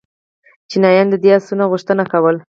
چینایانو د دې آسونو غوښتنه کوله